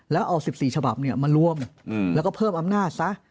แล้วเอา๑๔ฉบับมารวมแล้วก็เพิ่มอำนาจซะ